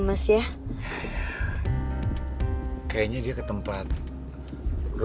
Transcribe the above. mas aku enggak mau